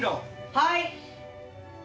はい！